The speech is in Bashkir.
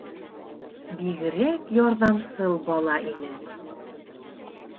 Бигерәк ярҙамсыл бала ине.